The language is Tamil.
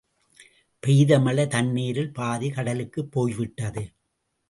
பெய்த மழைத் தண்ணீரில் பாதி கடலுக்குப் போய்விட்டது!